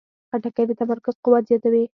خټکی د تمرکز قوت زیاتوي.